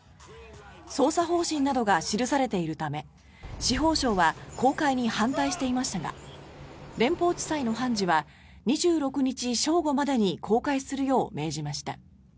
捜査方針などが記されているため司法省は公開に反対していましたが連邦地裁の判事は２６日正午までに公開するよう命じました。